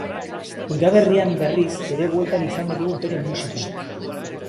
Udaberrian berriz ere bueltan izango dugu bere musika.